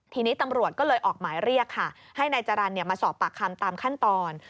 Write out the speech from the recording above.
ทีนี้ตำรวจก็เลยออกหมายเรียกค่ะให้นายจรรย์มาสอบปากคำตามขั้นตอน